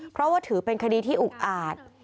เพราะว่าถือเป็นคดีที่อุกอาจ